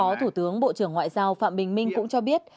phó thủ tướng bộ trưởng ngoại giao phạm bình minh cũng cho biết